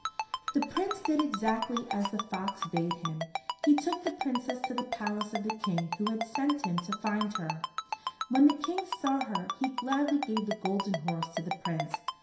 The Prince did exactly as the fox bade him. He took the Princess to the palace of the King who had sent him to find her. When the King saw her he gladly gave the Golden Horse to the Prince.